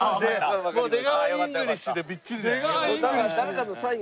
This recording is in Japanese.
もう「出川イングリッシュ」でみっちりだからね。